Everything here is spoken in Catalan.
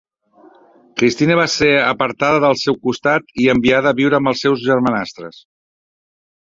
Cristina va ser apartada del seu costat i enviada a viure amb els seus germanastres.